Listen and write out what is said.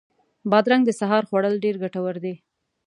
بادرنګ د سهار خوړل ډېر ګټور دي.